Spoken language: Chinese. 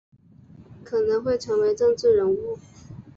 可能会成为政治人物